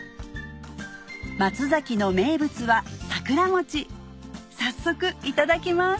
松崎の名物は早速いただきます